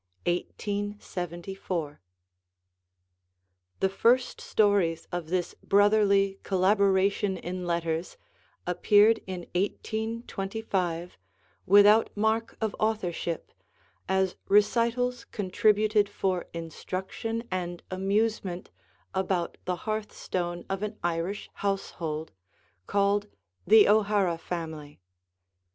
[Illustration: JOHN BANIM] The first stories of this brotherly collaboration in letters appeared in 1825 without mark of authorship, as recitals contributed for instruction and amusement about the hearth stone of an Irish household, called 'The O'Hara Family.'